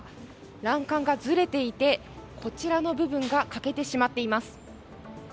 欄干がずれていてこちらの部分が欠けてしまっています。